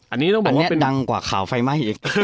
อันนี้ดังกว่าข่าวไฟไหม้อีก